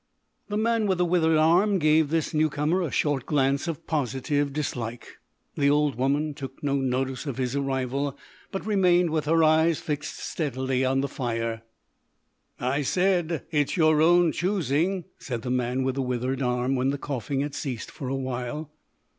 The man with the withered arm gave this new comer a short glance of positive dislike; the old woman took no notice of his arrival, but remained with her eyes fixed steadily on the fire. "I said it's your own choosing," said the man with the withered arm, when the coughing had ceased for a while.